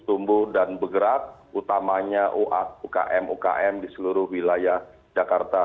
tumbuh dan bergerak utamanya ukm ukm di seluruh wilayah jakarta